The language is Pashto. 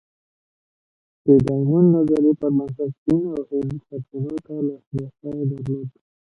د ډایمونډ نظریې پر بنسټ چین او هند سرچینو ته لاسرسی درلود.